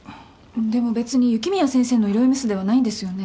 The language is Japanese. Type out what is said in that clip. でも別に雪宮先生の医療ミスではないんですよね？